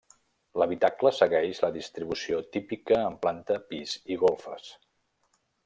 L'habitacle segueix la distribució típica amb planta, pis i golfes.